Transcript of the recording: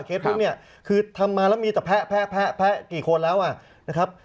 เคสพรุ่งเนี้ยคือทำมาแล้วมีแต่แพะแพะแพะแกี่คนแล้วอ่ะนะครับ